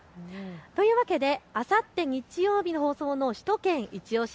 というわけであさって日曜日放送の首都圏いちオシ！